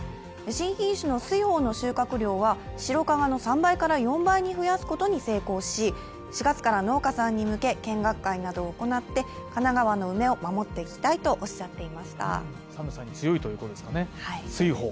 新新種の翠豊の収穫量は白加賀の３倍から４倍に増やすことに成功し４月から農家さんに向け、見学会を行って、神奈川の梅を守っていきたいとおっしゃっていました。